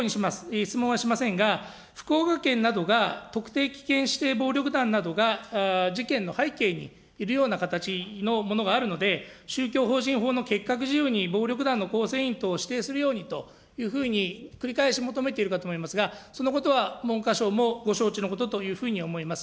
質問はしませんが、福岡県などが特定危険指定暴力団などが事件の背景にいるような形のものがあるので、宗教法人法のけっかくじゆうに暴力団の構成員等を指定するようにというふうに繰り返し求めているかと思いますが、そのことは、文科省もご承知のことというふうに思います。